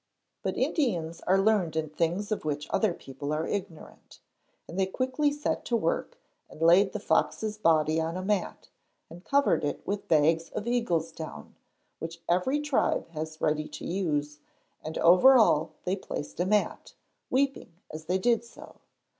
But Indians are learned in things of which other people are ignorant, and they quickly set to work and laid the fox's body on a mat, and covered it with bags of eagle's down which every tribe has ready to use, and over all they placed a mat, weeping as they did so.